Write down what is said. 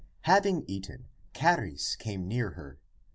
Having eaten, Charis came near her.